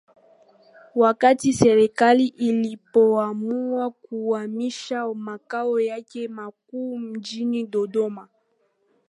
wakati Serikali ilipoamua kuhamishia makao yake makuu mjini Dodoma